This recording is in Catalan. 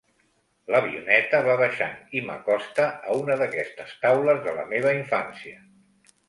L'avioneta va baixant i m'acosta a una d'aquestes taules de la meva infància.